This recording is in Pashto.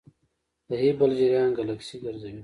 د هبل جریان ګلکسي ګرځوي.